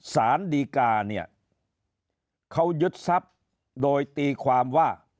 สารดีกาเนี่ยเขายึดทรัพย์โดยตีความว่า